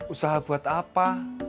usaha buat apa